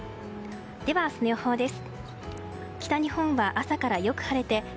では、明日の予報です。